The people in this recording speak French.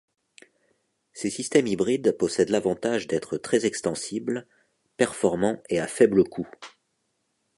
Ces systèmes hybrides possèdent l'avantage d'être très extensibles, performants et à faible coût.